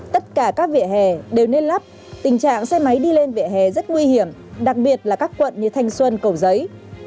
tất cả các vỉa hè đều nên lắp tình trạng xe máy đi lên vỉa hè rất nguy hiểm đặc biệt là các quận như thanh xuân cầu giấy